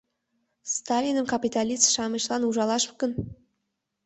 — Сталиным капиталист-шамычлан ужалаш гын?